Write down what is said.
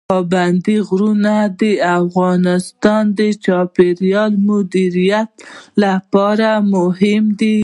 پابندي غرونه د افغانستان د چاپیریال مدیریت لپاره مهم دي.